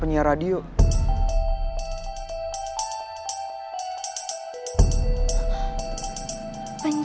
terang jangan keras piring